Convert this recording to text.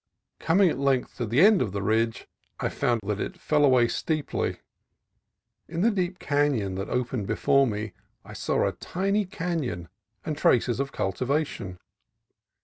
Coming at length to the end of the ridge, I found that it fell away steeply. In the deep canon that opened below me I saw a tiny cabin and traces of cultivation.